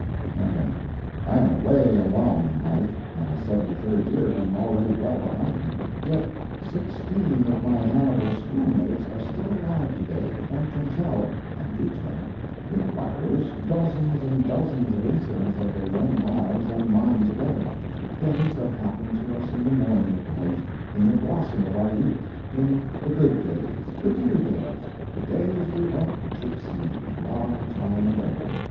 Now then, I am away along in life—my seventy third year being already well behind me—yet sixteen of my Hannibal schoolmates are still alive today, and can tell—and do tell—inquirers dozens and dozens of incidents of their young lives and mine together; things that happened to us in the morning of life, in the blossom of our youth, in the good days, the dear days, "the days when we went gipsying, a long time ago."